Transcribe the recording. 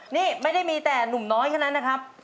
นี่ไม่ได้มีแต่หนุ่มน้อยแค่นั้นนะครับ